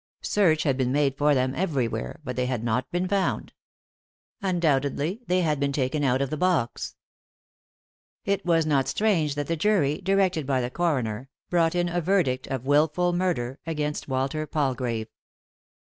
Search had been made for them every where, but they had not been found. Undoubtedly tbey had been taken out of the box. ;«y?e.c.V GOOglC THE_ INTERRUPTED KISS It was not strange that the jury, directed by the coroner, brought in a verdict of wilful murder against Walter Palgrave.